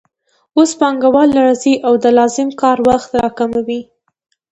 اوس پانګوال راځي او د لازم کار وخت راکموي